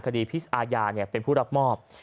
พิษอาญาเป็นผู้รับมอบ